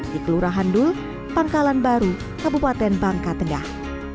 di kelurahan dul pangkalan baru kabupaten bangka tengah